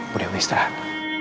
bu dewi istirahat